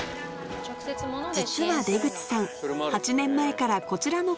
実は出口さん